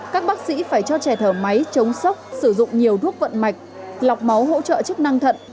các bác sĩ phải cho trẻ thở máy chống sốc sử dụng nhiều thuốc vận mạch